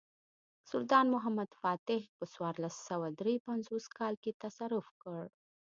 سلطان محمد فاتح په څوارلس سوه درې پنځوس کال کې تصرف کړ.